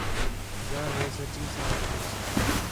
ذال ہے سچّی ساں آکھاس